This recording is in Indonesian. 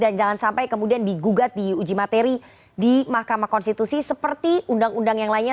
dan jangan sampai kemudian digugat di uji materi di mahkamah konstitusi seperti undang undang yang lainnya